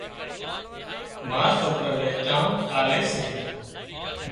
ما سوڪران نين چانه آلي سي